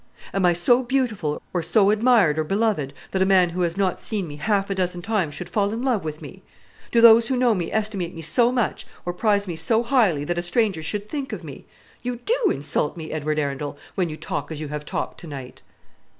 "Am I so beautiful, or so admired or beloved, that a man who has not seen me half a dozen times should fall in love with me? Do those who know me estimate me so much, or prize me so highly, that a stranger should think of me? You do insult me, Edward Arundel, when you talk as you have talked to night."